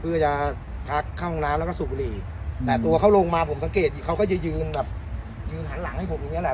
เพื่อจะพักเข้าห้องน้ำแล้วก็สูบบุหรี่แต่ตัวเขาลงมาผมสังเกตดีเขาก็จะยืนแบบยืนหันหลังให้ผมอย่างเงี้แหละ